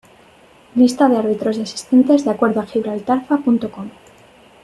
Lista de árbitros y asistentes de acuerdo a gibraltarfa.com.